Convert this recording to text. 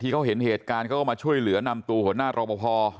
เขาเห็นเหตุการณ์เขาก็มาช่วยเหลือนำตัวหัวหน้ารอปภ